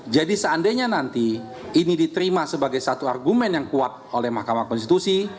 jadi seandainya nanti ini diterima sebagai satu argumen yang kuat oleh mahkamah konstitusi